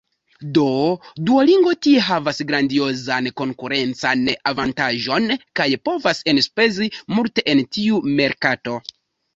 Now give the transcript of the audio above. Do Duolingo tie havas grandiozan konkurencan avantaĝon kaj povas enspezi multe en tiu merkato.